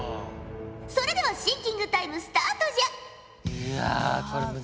それではシンキングタイムスタートじゃ！